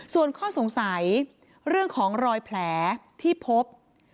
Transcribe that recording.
ส่วนข้อสงสัยเรื่องของรอยแผลที่พบ